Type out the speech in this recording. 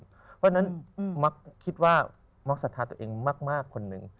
เพราะฉะนั้นมักคิดว่ามักสัทธาตัวเองมากคนหนึ่ง